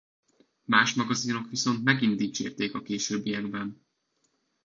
Más magazinok viszont megint dicsérték a későbbiekben.